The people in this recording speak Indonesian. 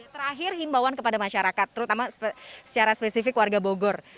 terakhir himbauan kepada masyarakat terutama secara spesifik warga bogor